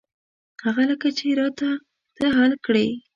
هغه لکه چې را ته ته حل کړې.